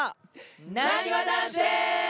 なにわ男子です！